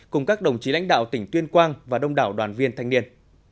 cùng các đồng chí lãnh đạo tỉnh tuyên quang và đông đảo đoàn viên thanh niên